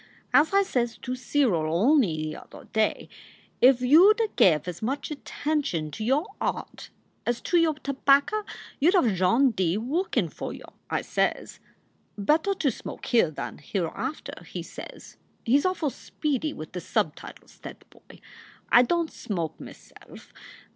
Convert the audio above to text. As I says to Cyril only the yother day, If you d a gave as much attention to your rart as you have to your tubbacca, you d have John D. workin for you! I says. Better to smoke here than hereafter/ he says. He s awful speedy with the subtitles, that boy. I don t smoke, m self.